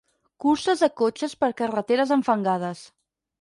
Curses de cotxes per carreteres enfangades.